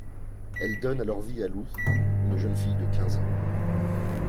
Elle donne alors vie à Luz, une jeune fille de quinze ans.